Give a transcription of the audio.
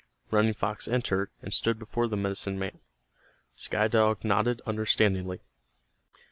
Running Fox entered, and stood before the medicine man. Sky Dog nodded understandingly.